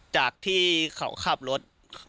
จากที่เขาขับรถ